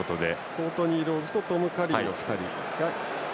コートニー・ローズとトム・カリーの２人。